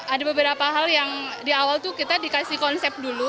ada beberapa hal yang di awal tuh kita dikasih konsep dulu